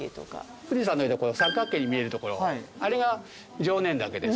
富士山の三角形に見えるところあれが常念岳です。